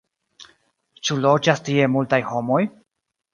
Ĉu loĝas tie multaj homoj?